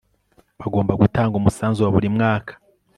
bagomba gutanga umusanzu wa buri mwaka